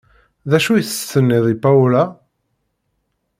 D acu i s-tenniḍ i Paola?